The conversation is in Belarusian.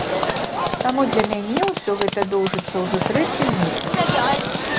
Таму для мяне ўсё гэта доўжыцца ўжо трэці месяц.